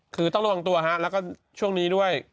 คือต้องระวังตัวฮะแล้วก็ช่วงนี้ด้วย